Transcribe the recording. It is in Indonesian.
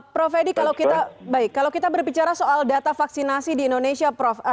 prof edi kalau kita berbicara soal data vaksinasi di indonesia prof